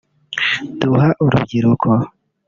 duha urubyiruko